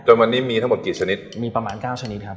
วันนี้มีทั้งหมดกี่ชนิดมีประมาณเก้าชนิดครับ